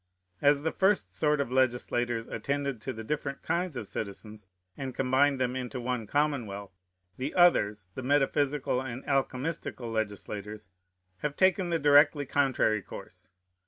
As the first sort of legislators attended to the different kinds of citizens, and combined them into one commonwealth, the others, the metaphysical and alchemistical legislators, have taken the directly contrary course.